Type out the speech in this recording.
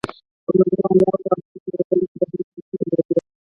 رومي اعیانو او اشرافو ځانګړې کرنیزې ځمکې درلودې.